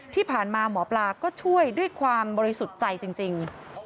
ที่ผ่านมาหมอปลาก็ช่วยด้วยความบริสุทธิ์ใจจริง